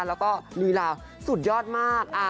แล้วก็ลีลาสุดยอดมาก